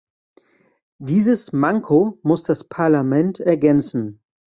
Dieses Manko muss das Parlament ergänzen.